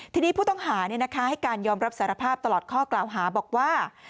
ทีนี้ผู้ต้องหาให้การยอมรับสารภาพตลอดข้อกล่าวหาบอกว่า